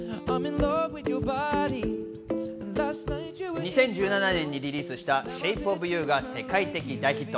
２０１７年にリリースした『ＳｈａｐｅＯｆＹｏｕ』が世界的大ヒット。